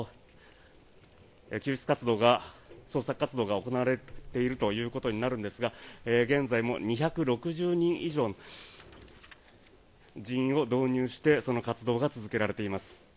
救出活動、捜索活動が行われているということになるんですが現在も２６０人以上の人員を導入してその活動が続けられています。